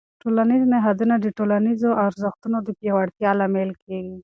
ټولنیز نهادونه د ټولنیزو ارزښتونو د پیاوړتیا لامل کېږي.